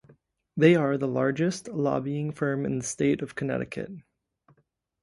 They are the largest lobbying firm in the state of Connecticut.